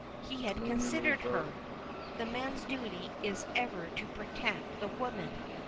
He had considered her! The man's duty is ever to protect the woman!